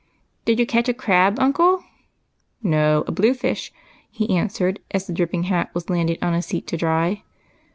" Did you catch a crab, uncle ?"" No, a blue fish," he answered, as the dripping hat was landed on a seat to dry.